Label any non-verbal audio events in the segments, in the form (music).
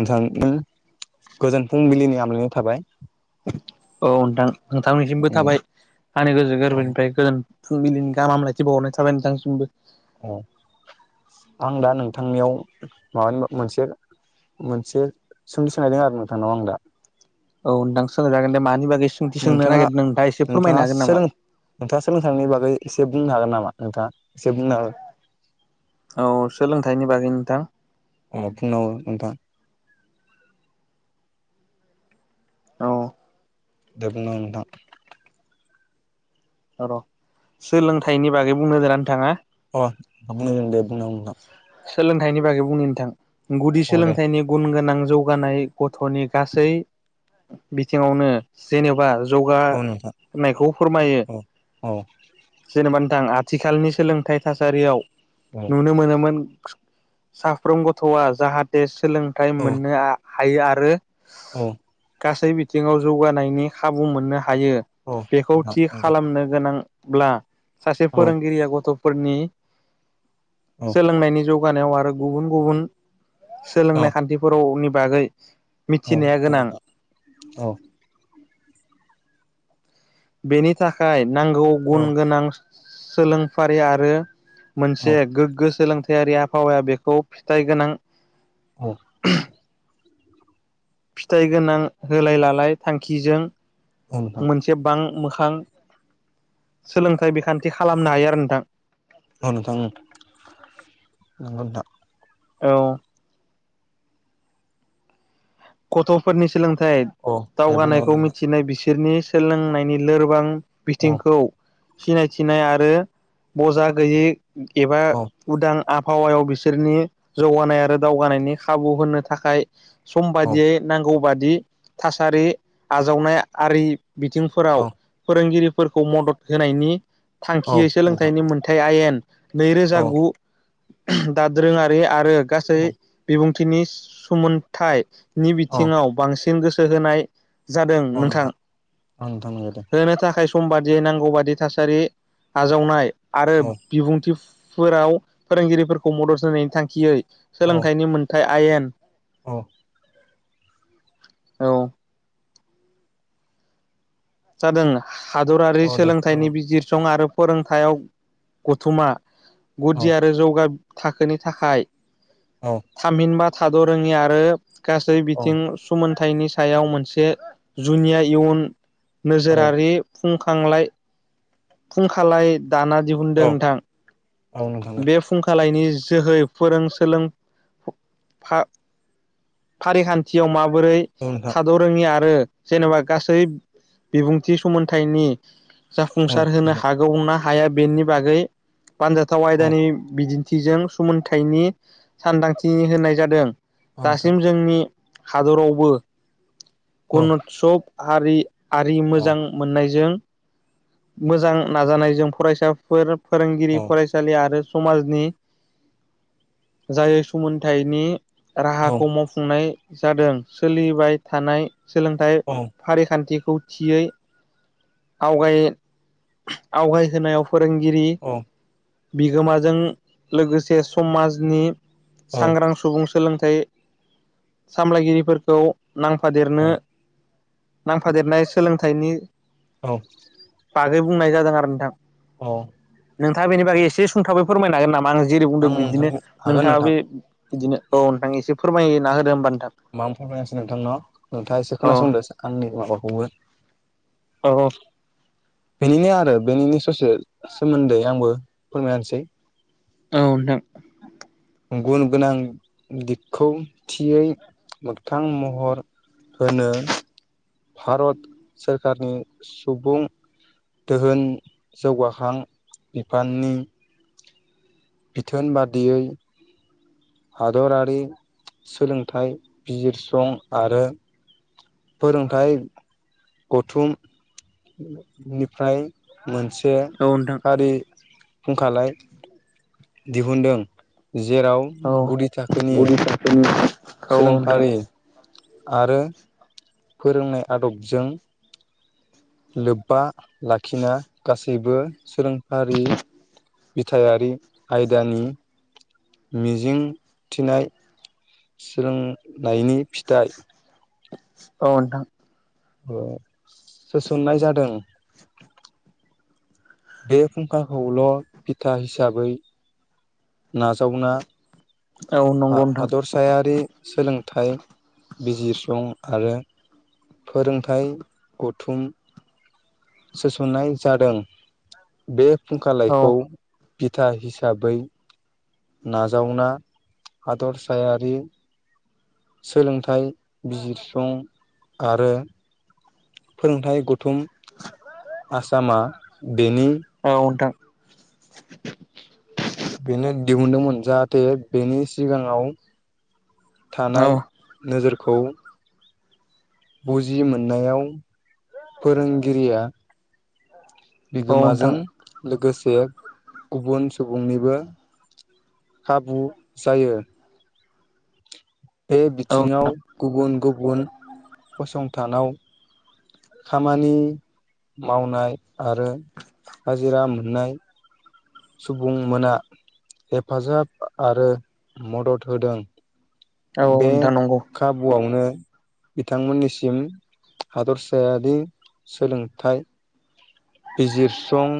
नोंथांनो गोजोन फुंबिलिनि आमलायनाय थाबाय औ नोंथां नोंथांनिसिमबो थाबाय आंनि गोसो औ गोरबोनिफ्राय गोजोन फुंबिलिनि गाहामलायथि बावरनाय थाबाय नोंथांनि सिमबो अ आं दा नोंथांनियाव माबानि मोनसे मोनसे सों सोंनायदों आरो नोंथांनाव आं दा औ नोंथां सोंजागोन दे मानि बागै सोंथि सोंनो नोंथाङा नागिरदों एसे फोरमायनो नोंथाङा हागोन नामा सोलों नोंथाङा सोलोंथायनि बागै एसे बुंनो हागोन नामा नोंथाङा एसे बुंनो हागोन औ औ सोलोंथाइनि बागै नोंथां अ बुंना हो नोंथां औ दे बुंना हो नोंथां र' सोलोंथाइनि बागै बुंनो होदों ना नोंथाङा अ बुंनो होदों दे बुंना हो नोंथां सोलोंथाइनि बागै बुंनो नोंथां गुदि औ दे सोलोंथाइनि गुन गोनां जौगानाय गथ'नि गासै बिथिङावनो जेनेबा जौग औ नोंथां होनायखौ फोरमायो औ औ जेनेबा आं आथिखालनि सोलोंथाइ थासारियाव औ नुनो मोनोमोन साफ्रोम गथ'आ जाहाथे सोलोंथाइ मोननो हायो आरो औ गासै बिथिङाव जौगानायनि खाबु मोननो हायो औ बेखौ नोंथां थि नंगौ खालामनो गोनां ब्ला सासे औ फोरोंगिरिया गथ'फोरनि औ सोलोंनायनि जौगानायाव आरो गुबुन गुबुन औ सोलोंनाय खान्थिफोरावनि बागै औ मिथिनाया औ गोनां औ बेनि थाखाय नांगौ गुन गोनां सोलोंफारि आरो औ मोनसे गोग्गो सोलोंथाययारि आबहावाया बेखौ फिथाइ गोनां औ फिथाइ गोनां होलाय लालाय थांखिजों नोंथां मोनसे बां मोखां सोलोंथाइ बिखान बिदि खालामनो हायो आरो नोंथां औ नोंथां नंगौ नोंथां औ गथफोरनि सोलोंथाइ औ दे बुंनांगौ दावगानायखौ नोंथां मिथिनाय बिसोर बिसोरनि सोलोंनायनि लोरबां औ बिथिंखौ सिनायथिनाय आरो बजा गैयै एबा औ उदां आफ आबहावायाव बिसोरनि जौगानाय आरो दावगानायनि खाबु होनो थाखाय औ बायदियै नांगौ बादि थासारि आजावनाय आरि बिथिंफोराव औ फोरोंगिरिफोरखौ मदद होनायनि औ थांखियै नोंथां सोलोंथाइनि मोनथाय आयेन नैरोजा औ गु दादोरोङारि आरो गासै औ बिबुंथिनि सोमनथाइ नि औ बिथिङाव बांसिन गोसो होनाय जादों नोंथां औ नोंथां नंगौ दे होनो थाखाय समबा जे नांगौ बादि थासारि आजावनाय आरो औ बिबुंथि फोराव फोरोंगिरिफोरखौ मदद होनायनि थांखियै औ सोलोंथाइनि मोनथाय आयेन औ औ जादों हादरारि औ दे औ सोलोंथाइनि बिजिरसं आरो फोरोंथायाव गथुमा औ गुदि आरो जौगा थाखोनि थाखाय औ थामहिनबा थाद रोङि आरो गासै औ बिथिं सोमन फिथाइनि सायाव मोनसे जुनिया इयुन औ नोजोरारि फुंखांलाय फुंखालाय दाना दिहुनदों नोंथां औ नोंथां दे बे फुंखालायनि जोहै फोरोंसोलों फारिखान्थियाव मा बोरै औ नोंथां थाद रोङि आरो जेनेबा गासै बिबुंथि समोनथाइनि औ जाफुंसार होनो हागौना हाया सानदांथि होनाय जादों नोंथां दासिम जोंनि हादरावबो औ औ नोंथां औ गणत्सब ह आरि मोजां औ मोननायजों मोजां नाजानायजों फरायसाफोर फोरोंगिरि औ फरायसालि आरो समाजनि जाय सोमोनथाइनि औ राहाखौ मावफुंनाय जादों सोलिबाय थानाय सोलोंथाइ फारिखान्थि खौथियै आव आवगायहोनायाव फोरोंगिरि बिगोमाजों लोगोसे समाजनि औ सांग्रां सुबुं सोलोंथाइ सामलायगिरिफोरखौ नांफाब देरनो नांफादेरनाय सोलोंथाइनि औ बागै बुंनाय जादों आरो नोंथां औ दा बेनि बागै एसे सुंथाबै फोरमायनो हागोन नामा आं जेरै बुंदों बिदिनो नोंथांनो हागोन नोंथाङा नोंथां बे बिदिनो औ नोंथां एसे फोरमायना होदो होमबा नोंथां मा फोरमायनांसै नोंथांन नोंथाङा एसे औ खोनासंदो आंनि माबाखौबो औ बेनिनो आरो बेनिनो ससे सोमोन्दै आंबो फोरमायनोसै औ नोंथां गुन गोनां दिगखौ थियै मोगथां महर होनो भारत सोरखारारनि सुबुं दोहोन जौगाखां बिफाननि बिथोन बादियै हादरारि सोलोंथाइ बिजिरसं। आरो फोरोंथायाइ गौथुमनिफ्राय मोनसे औ नोंथां खारि फुंखालाय दिहुुनदों। जेराव गुदि थाखोनि बिफावआवनो सोलोंफारि आरो फोरोंनाय आदबजों लोब्बा लाखिना गासैबो सोलोंफारि बिथथायारि आयदानि मिजिं थिनाय सोलोंलायनि फिथाइ अ नोंथां। अ सोसननाय जादों। बे फुंखाखौल' बिथा हिसाबै नाजावना औ नंगौ नोंथां हादरसायारि सोलोंथाइ बिजिरसं आरो फोरोंथाइ गथुम सोसननाय जादों। बे औ फुंखालायखौ बिथा हिसाबै नाजावना हादरसायारि सोलोंथाइ बिजिरसफुं आरो फोरोंथायाइ गौथुम आसामा बेनि औ ओंथां बेनो दिहुनदोंमोन। जाहाथे बेनि सिगाङाव औ थानाय नोजोरखौ बुजि मोननायाव फोरोंगिरिया औ बिगोमाजों नोंथां लोगोसे गुबुन सुबुंनिबो खाबु जायो। बे औ बिथिङाव गुबुन गुबुन फसंथानाव खामानि मावनाय आरो हाजिरा मोननाय सुबुंमोना हेफाजाब आरो मदद होदों। औ बे नोंथां नंगौ खाबुआवनो बिथांमोननिसिम हादरसायारि सोलोंथाइ। बिजिरसं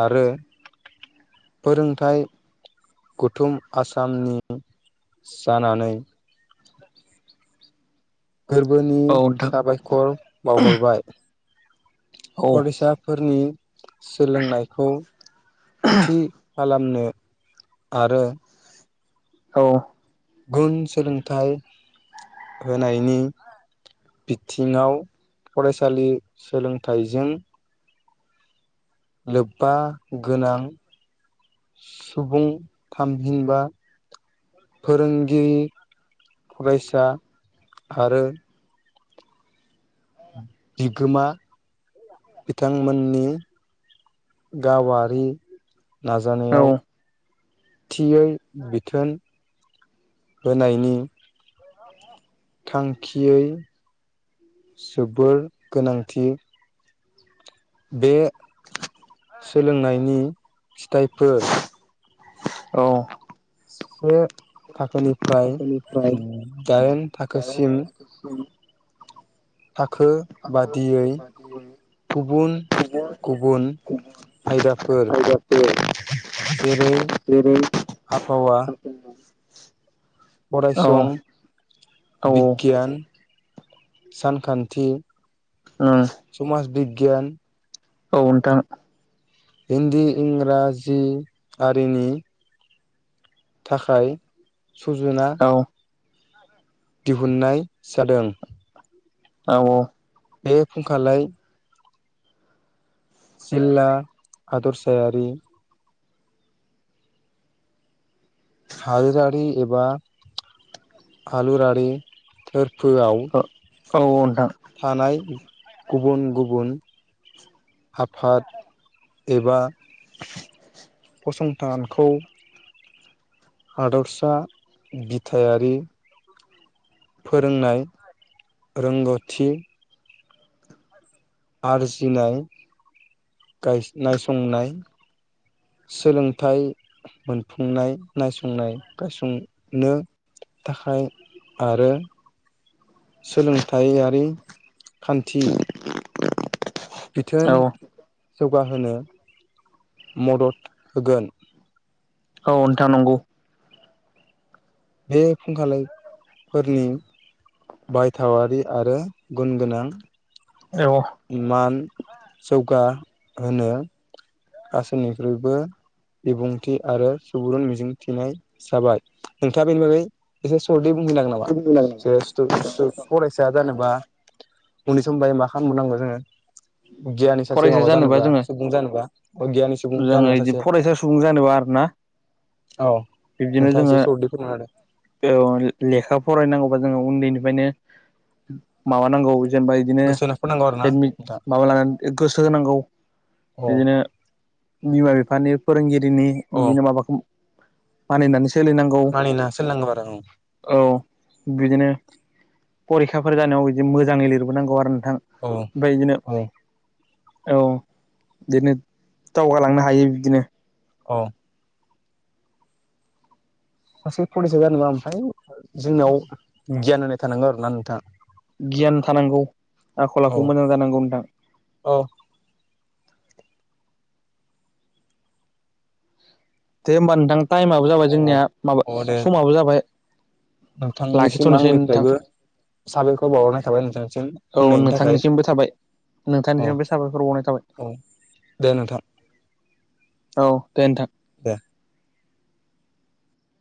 आरो फोरोंथाइ। गुथुम आसामनि जानानै गोरबोनि औ नोंथां साबायखर बावहरबाय। औ फरायसाफोरनि सोलोंनायखौ थि खालाम। नो आरो औ। गुन सोलोंथाइ होनायनि बिथिङाव फरायसालि सोलोंथाइजों लोब्बा गोनां सुबुं थामहिनबा फोरोंगिरि फरायसा आरो बिगोमा बिथांमोननि गावारि औ नाजानायाव थियै बिथोन होनायनि थांखियै जोबोर गोनांथि। बे सोलोंनायनि फिथाइफोर औ से थाखोनि फ्राय आखाइनिफ्राय दाइन थाखोसिम थाखाखो आखाइ बादियै गुबुन गुबुन आयदाफोर जायगाखौ जेरै जेरै (inaudible) आबहावा औ फरायासं औ (inaudible) उम बिगियान सानखान्थि समाज बिगियान औ नोंथां हिन्दी इंराजि आरिनि थाखाय सुजुना औ दिहुननाय जादों। औ औ बे फुंखालाय जिल्ला हादरसायारि हादोरारि एबा हालरारि फोआव औ नोंथां थानाय गुबुन गुबुन आफाद एबा फसंथानखौ हादरसा बिथायारि फोरोंनाय (inaudible) रोंगौथि आरजिनाय गा नायसंनाय सोलोंथाइ मोनफुंनाय नायसंनाय गायसंनो थाखाय आरो सोलोंथायारि खान्थि बिथोन औ जौगाहोनो मदद होगोन औ नोंथा नंगौ बे फुंखालफोरनि बायथावारि आरो गुन गोनां औ मान जौगा होनो गासैनिख्रुइबो बिबुंथि आरो सुबुरुन मिजिंथिनाय जाबाय नोंथाङा बेनि बागै एसे (unintelligible) नामा जे स्थु स्थु फरायसा जानोबा उनि समबा मा खालामबावनांगौ जोङो गियानि सासे फरायसा माबा जानोबा जोङो सुबुं जानोबा गियानि सुबुं जोङो जानोबा बिदि सासे फरायसा सुबुं जानोबा आरोना औ बिब्दिनो नोंथाङा जोङो एसे सर्टै फोरमायना होदो औ लेखा फरायनांगौ जोङो उन्दैनिफ्रायनो माबानांगौ जेनेबा बिदिनो गोसो होना फरायनांगौ आरो ना एडमिट नोंथां माबा लानानै गोसो होनांगौ अ बिदिनो बिमा बिफानि फोरोंगिरिनि अ बिदिनो माबाखौ मानिनानै सोलिनांगौ मानिना सोलिनांगौ आरो औ बिदिनो फरिखाफोर जानायाव बिदि मोजाङै लिरबोनांगौ आरो थां औ ओमफ्राय बिदिनो औ औ बिदिनो दावगालांनो हायो बिदिनो औ सासे फरायसा जानोबा ओमफ्राय जोंनियाव गियान होनाय थानांगौ आरोना नोंथाङा गियान थानांगौ आखल औ आखु मोजां जानांगौ नोंथां औ दे होमबा नोंथां टाइमाबो जाबाय औ जोंनिया माबा औ अ दे समाबो जाबाय नोंथांनिसिम लाखिथ'नोसै नोंथां आंनिफ्रायबो साबायखौर बावहरनाय थाबाय नोंथांसिम औ होननायनि थाखाय नोंथांनिसिमबो थाबाय औ नोंथांनिसिमबो साबायखर बावनाय थाबाय औ दे नोंथां औ दे नोंथां दे